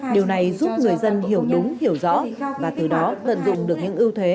điều này giúp người dân hiểu đúng hiểu rõ và từ đó tận dụng được những ưu thế